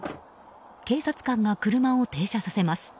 警察官が車を停車させます。